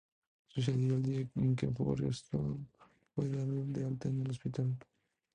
Sucedió el día en que Forrestal fue dado de alta del hospital.